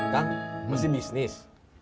kang masih bisnis